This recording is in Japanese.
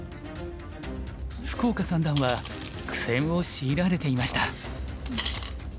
福岡三段は苦戦を強いられていました。